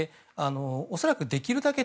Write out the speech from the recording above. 恐らくできるだけ